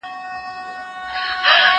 کېدای سي درسونه سخت وي